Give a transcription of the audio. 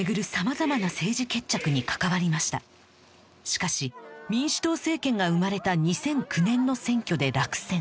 しかし民主党政権が生まれた２００９年の選挙で落選